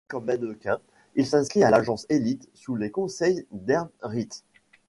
Repéré comme mannequin, il s'inscrit à l'agence Elite sous les conseils d'Herb Ritts.